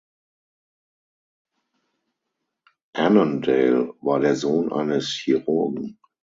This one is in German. Annandale war der Sohn eines Chirurgen.